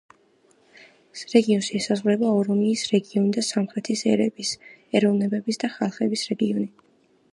რეგიონს ესაზღვრება ორომიის რეგიონი და სამხრეთის ერების, ეროვნებების და ხალხების რეგიონი.